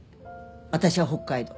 私は北海道。